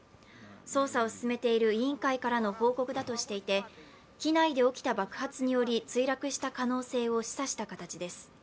捜査を進めている委員会からの報告だとしていて機内で起きた爆発により墜落した可能性を示唆した形です。